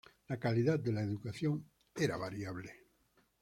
La calidad de la educación era variable.